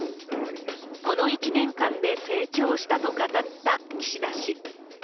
この１年間で成長したと語った岸田氏。